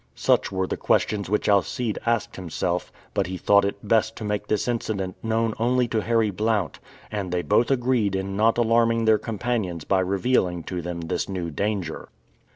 Such were the questions which Alcide asked himself, but he thought it best to make this incident known only to Harry Blount, and they both agreed in not alarming their companions by revealing to them this new danger.